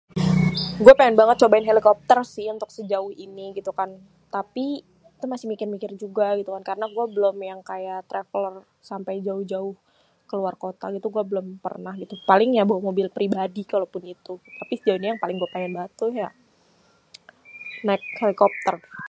Gua pengen banget cobain helikopter sih untuk sejauh ini gitu kan. Tapi itu masih mikir-mikir juga gitu kan, karna gua belom yang kayak traveler sampai yang jauh-jauh keluar kota gitu, gua belom pernah gitu. Paling ya bawa mobil pribadi kalaupun itu. Tapi sejauh ini yang pengen gua banget ya naik helikopter.